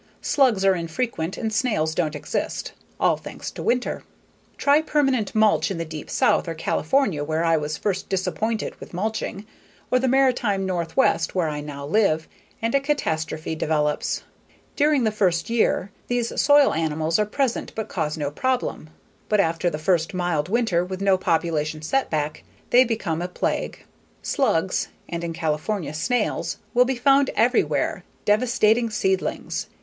Slugs are infrequent and snails don't exist. All thanks to winter. Try permanent mulch in the deep South, or California where I was first disappointed with mulching, or the Maritime northwest where I now live, and a catastrophe develops. During the first year these soil animals are present but cause no problem. But after the first mild winter with no population setback, they become a plague. Slugs (and in California, snails) will be found everywhere, devastating seedlings.